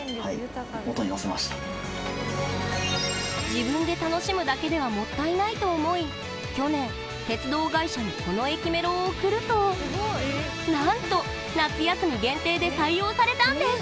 自分で楽しむだけではもったいないと思い去年、鉄道会社にこの駅メロを送るとなんと夏休み限定で採用されたんです。